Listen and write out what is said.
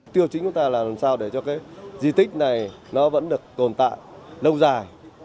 tiêu chính của ta là làm sao để cho cái di tích này nó vẫn được tồn tại lâu dài